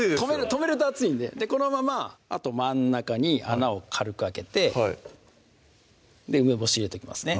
止めると熱いんでこのまま真ん中に穴を軽く開けて梅干し入れていきますね